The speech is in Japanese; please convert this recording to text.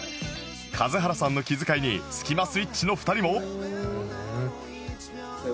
數原さんの気遣いにスキマスイッチの２人も